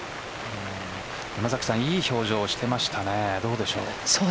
いい表情をしていましたねどうでしょう。